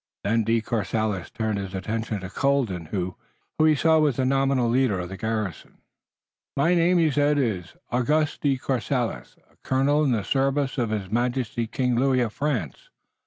Then De Courcelles turned his attention to Colden, who he saw was the nominal leader of the garrison. "My name," he said, "is Auguste de Courcelles, a colonel in the service of His Majesty, King Louis of France.